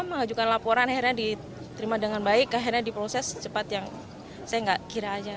mengajukan laporan akhirnya diterima dengan baik akhirnya diproses cepat yang saya nggak kira aja